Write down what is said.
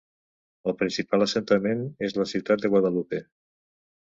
El principal assentament és la ciutat de Guadalupe.